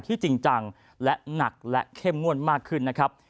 จริงจังและหนักและเข้มงวดมากขึ้นนะครับ